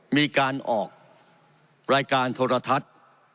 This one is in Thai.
มีการออกรายการโทรทัศน์